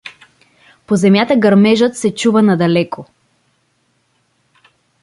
По земята гърмежът се чува надалеко.